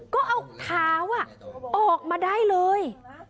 ก็เอาเท้าออกมาได้เลย